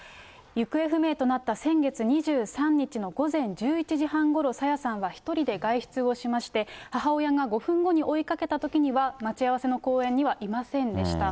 行方不明となった先月２３日の午前１１時半ごろ、朝芽さんは１人で外出をしまして、母親が５分後に追いかけたときには、待ち合わせの公園にはいませんでした。